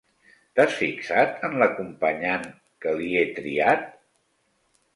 T'has fixat en l'acompanyant que li he triat?